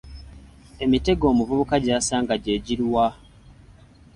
Emitego omuvubuka gy’asanga gye giluwa?